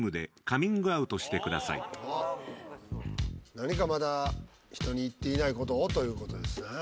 何かまだ人に言っていないことをということですね